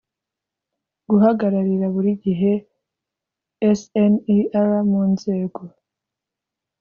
guhagararira buri gihe sner mu nzego